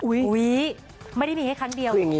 อุ้ยไม่ได้มีให้ครั้งเดียว